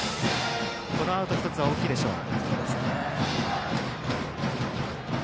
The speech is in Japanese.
このアウト１つは大きいでしょう。